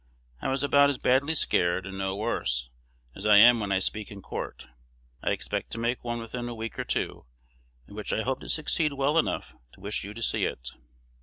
I was about as badly scared, and no worse, as I am when I speak in court. I expect to make one within a week or two, in which I hope to succeed well enough to wish you to see it.